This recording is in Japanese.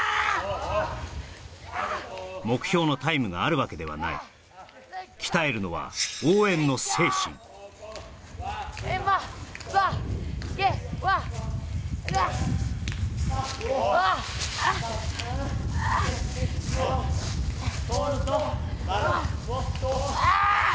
目標のタイムがあるわけではない鍛えるのは応援の精神わっあっあっあーっ！